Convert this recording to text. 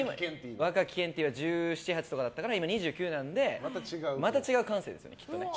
若きケンティー１７１８とかだったから今２９なのでまた違う感性ですね。